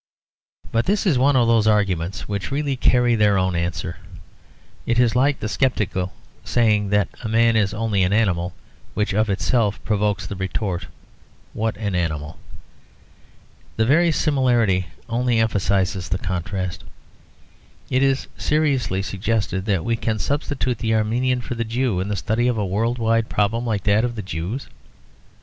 But this is one of those arguments which really carry their own answer. It is like the sceptical saying that man is only an animal, which of itself provokes the retort, "What an animal!" The very similarity only emphasises the contrast. Is it seriously suggested that we can substitute the Armenian for the Jew in the study of a world wide problem like that of the Jews?